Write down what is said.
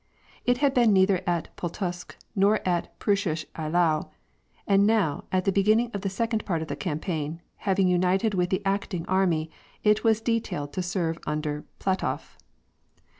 It had been neither at Pultusk nor at Preussisch Eylau, and now, at the be ginning of the second part of the campaign, having united with the acting army, it was detailed to serve under Platof.